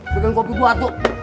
bikin kopi buat lu